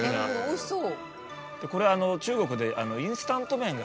おいしそう。